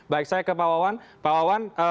baik saya ke pak wawan